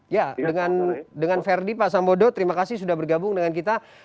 ya dengan verdi pak sambodo terima kasih sudah bergabung dengan kita